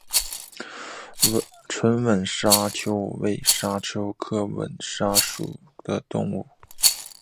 锥唇吻沙蚕为吻沙蚕科吻沙蚕属的动物。